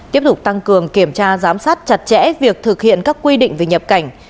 tiếp tục tăng cường kiểm tra giám sát chặt chẽ việc thực hiện các quy định về nhập cảnh